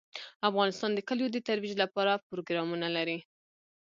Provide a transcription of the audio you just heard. افغانستان د کلیو د ترویج لپاره پروګرامونه لري.